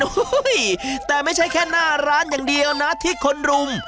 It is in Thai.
โอ้โหแต่ไม่ใช่แค่หน้าร้านอย่างเดียวนะที่คนรุม